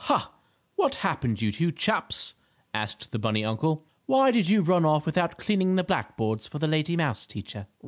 "Ha! What happened you two chaps?" asked the bunny uncle. "Why did you run off without cleaning the black boards for the lady mouse teacher?"